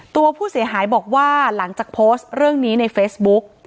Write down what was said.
ตัวผู้เสียหายบอกว่าหลังจากโพสต์เรื่องนี้ในเฟซบุ๊ก